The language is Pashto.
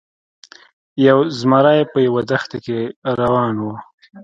یو زمری په یوه دښته کې روان و.